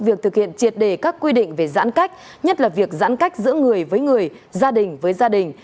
việc thực hiện triệt đề các quy định về giãn cách nhất là việc giãn cách giữa người với người gia đình với gia đình